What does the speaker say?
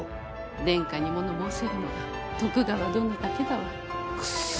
殿下にもの申せるのは徳川殿だけだわ。